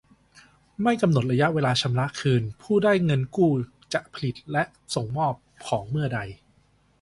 ไม่กำหนดระยะเวลาชำระคืน ผู้ได้เงินกู้จะผลิตและส่งมอบของเมื่อใด